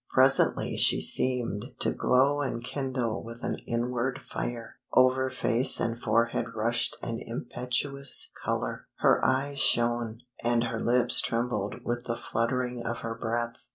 Presently she seemed to glow and kindle with an inward fire; over face and forehead rushed an impetuous color, her eyes shone, and her lips trembled with the fluttering of her breath.